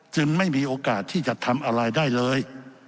ไม่มีโอกาสที่จะทำอะไรได้เลย